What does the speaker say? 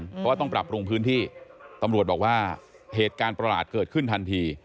เพราะว่าต้องปรับปรุงพื้นที่ตำรวจบอกว่าเหตุการณ์ประหลาดเกิดขึ้นทันที